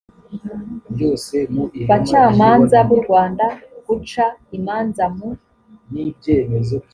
bacamanza b u rwanda guca imanza mu